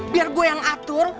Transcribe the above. biar gua yang atur